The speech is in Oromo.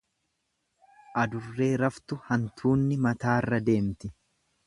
Adurree raftu hantuunni mataarra deemti.